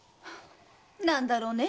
何だろうねえ